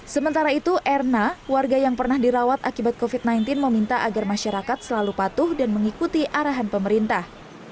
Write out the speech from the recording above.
sementara itu erna warga yang pernah dirawat akibat covid sembilan belas meminta agar masyarakat selalu patuh dan mengikuti arahan pemerintah